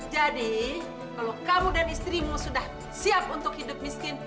jadi kalau kamu dan istrimu sudah siap untuk hidup miskin